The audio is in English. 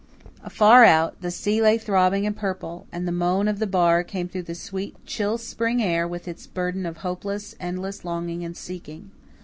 Afar out, the sea lay throbbing and purple, and the moan of the bar came through the sweet, chill spring air with its burden of hopeless, endless longing and seeking.